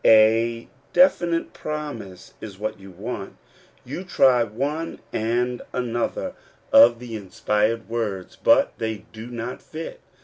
A definite promise is what you want. You try one and another of the inspired words, but they do not fit.